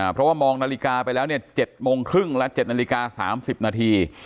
เพราะว่ามองนาฬิกาไปแล้ว๗โมงครึ่งและ๗นาฬิกา๓๐นาที